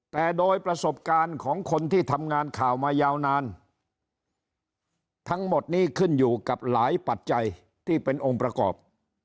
แต่โดยประสบการณ์ของคนที่ทำงานข่าวมายาวนานทั้งหมดนี้ขึ้นอยู่กับหลายปัจจัยที่เป็นองค์ประกอบ